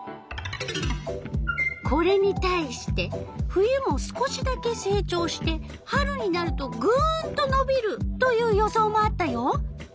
これに対して冬も少しだけ成長して春になるとぐんとのびるという予想もあったよ。